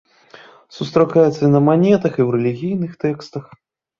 Сустракаецца на манетах і ў рэлігійных тэкстах.